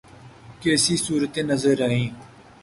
کیسی صورتیں نظر آئیں؟